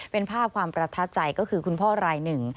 เป็นภาพความประทับใจก็คือคุณพ่อรายหนึ่ง